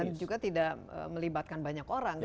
dan juga tidak melibatkan banyak orang